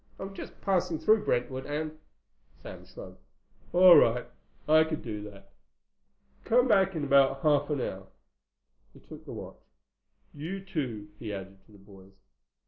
I'm just passing through Brentwood and—" Sam shrugged. "All right. I could do that. Come back in about half an hour." He took the watch. "You too," he added to the boys.